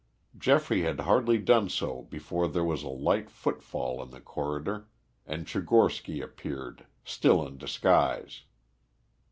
Geoffrey had hardly done so before there was a light footfall in the corridor, and Tchigorsky appeared, still in disguise.